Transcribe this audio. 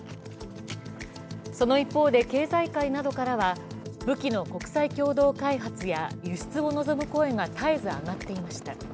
その一方で、経済界などからは武器の国際共同開発や輸出を望む声が絶えず上がっていました。